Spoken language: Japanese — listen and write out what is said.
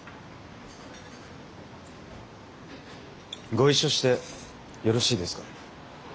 ご一緒してよろしいですか？